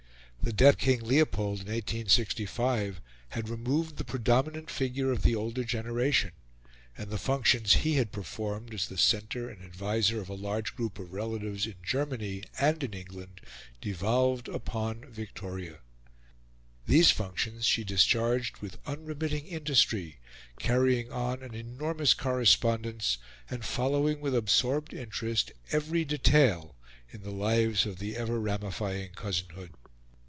The death of King Leopold in 1865 had removed the predominant figure of the older generation, and the functions he had performed as the centre and adviser of a large group of relatives in Germany and in England devolved upon Victoria. These functions she discharged with unremitting industry, carrying on an enormous correspondence, and following with absorbed interest every detail in the lives of the ever ramifying cousinhood.